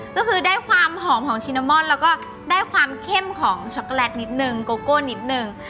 ก็คือได้ความหอมของชินามอนแล้วก็ได้ความเข้มของช็อกโกแลตนิดนึงโกโก้นิดนึง